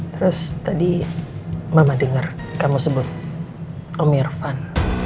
terus tadi mama dengar kamu sebut om irfan